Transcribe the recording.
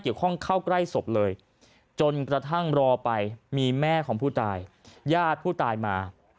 เข้าใกล้ศพเลยจนกระทั่งรอไปมีแม่ของผู้ตายญาติผู้ตายมา